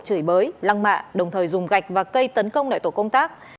chửi bới lăng mạ đồng thời dùng gạch và cây tấn công lại tổ công tác